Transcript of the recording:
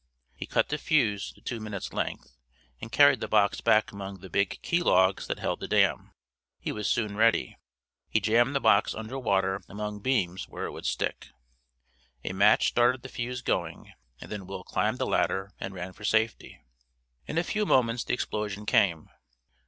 He cut the fuse to two minutes' length, and carried the box back among the big key logs that held the dam. He was soon ready. He jammed the box under water among beams where it would stick. A match started the fuse going, and then Will climbed the ladder and ran for safety. In a few moments the explosion came.